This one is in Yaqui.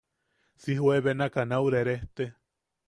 Si juebenaka nau rerejte.